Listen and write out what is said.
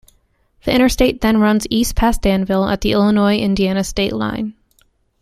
The interstate then runs east past Danville at the Illinois-Indiana state line.